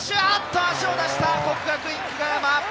足を出した國學院久我山。